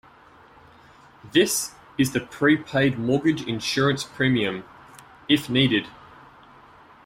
This is the prepaid mortgage insurance premium, if needed.